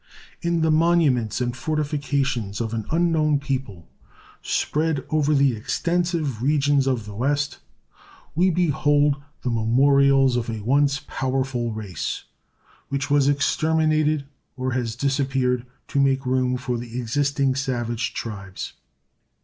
In the monuments and fortifications of an unknown people, spread over the extensive regions of the West, we behold the memorials of a once powerful race, which was exterminated of has disappeared to make room for the existing savage tribes.